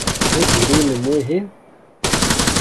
D avilu-inem wihin?